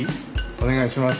お願いします。